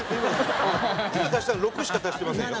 今足したの６しか足してませんよ。